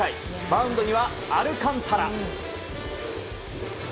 マウンドにはアルカンタラ。